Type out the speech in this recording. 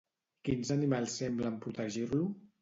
Quins animals semblen protegir-lo?